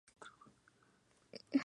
El Decano que la dirige es el Pbro.